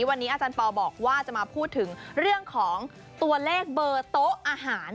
วันนี้อาจารย์ปอลบอกว่าจะมาพูดถึงเรื่องของตัวเลขเบอร์โต๊ะอาหาร